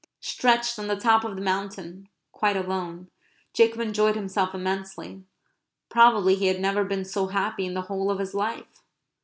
Stretched on the top of the mountain, quite alone, Jacob enjoyed himself immensely. Probably he had never been so happy in the whole of his life.